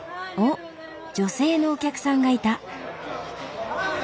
女性のお客さんがいた。